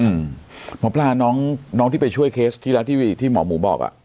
อืมหมอประหลาน้องน้องที่ไปช่วยเคสทีละทีวีที่หมอหมูบอกอ่ะ